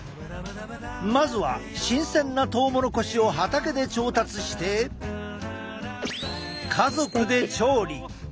まずは新鮮なトウモロコシを畑で調達して家族で調理。